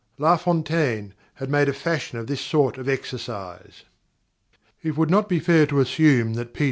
La Fontaine had made a fashion of this sort of exercise._ _It would not be fair to assume that P.